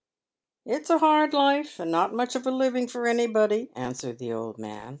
" It's a hard life, and not much of a living for anybody," answered the old man.